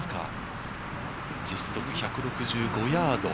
実測１６５ヤード。